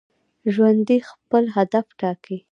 ژوندي خپل هدف ټاکي